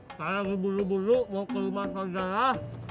saya lagi buru buru mau ke rumah saudara